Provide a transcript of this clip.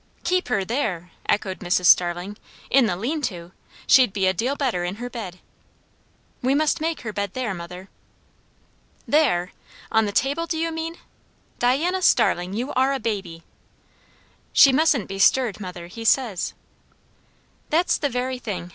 "Keep her there!" echoed Mrs. Starling. "In the lean to! She'd be a deal better in her bed." "We must make her bed there, mother." "There! On the table do you mean? Diana Starling, you are a baby!" "She mustn't be stirred, mother, he says." "That's the very thing!"